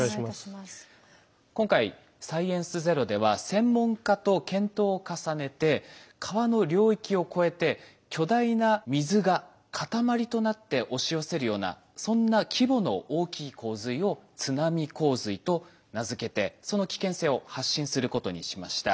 今回「サイエンスＺＥＲＯ」では専門家と検討を重ねて川の領域を超えて巨大な水が塊となって押し寄せるようなそんな規模の大きい洪水を津波洪水と名付けてその危険性を発信することにしました。